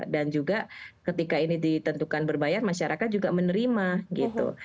dan juga ketika ini ditentukan berbayar masyarakat juga menerima gitu